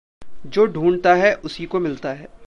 जो ढूँढता है, उसीको मिलता है।